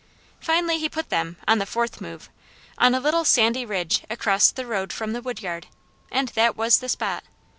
Finally, he put them, on the fourth move, on a little sandy ridge across the road from the wood yard, and that was the spot.